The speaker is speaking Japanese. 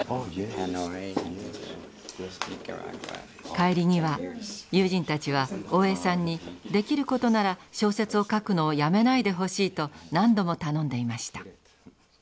帰りには友人たちは大江さんにできることなら小説を書くのをやめないでほしいと何度も頼んでいました。